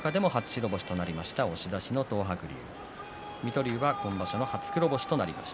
今場所の中でも初白星が出ました、押し出しの東白龍。